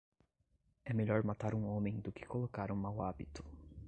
É melhor matar um homem do que colocar um mau hábito.